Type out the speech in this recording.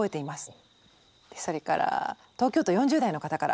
それから東京都４０代の方から。